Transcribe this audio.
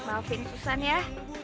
maafin susan ya